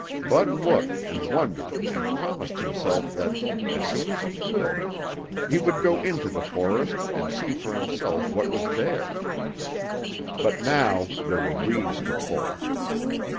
Bud looked and wondered and promised himself that, as soon as he could, he would go into the forest and see for himself what was there. But now there were weeds to pull.